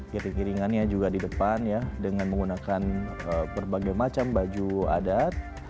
piring piringannya juga di depan ya dengan menggunakan berbagai macam baju adat